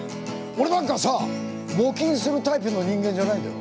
俺なんかさ募金するタイプの人間じゃないんだよ。